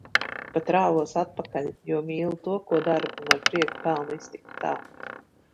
Pat rāvos atpakaļ. Jo mīlu to, ko daru un ar prieku pelnu iztiku tā.